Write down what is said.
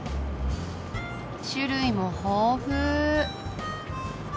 種類も豊富。